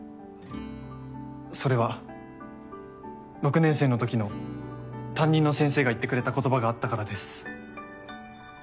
それは６年生のときの担任の先生が言ってくれた言葉があったからです。